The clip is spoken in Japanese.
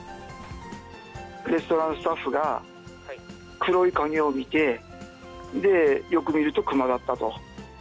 レストランスタッフが、黒い影を見て、よく見るとクマだったと。